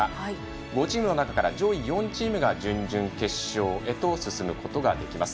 ５チームの中から上位４チームが準々決勝へと進むことができます。